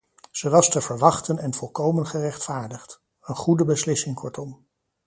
Ze was te verwachten en volkomen gerechtvaardigd: een goede beslissing kortom.